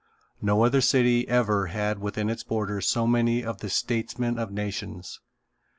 No other city ever had within its borders so many of the statesmen of nations.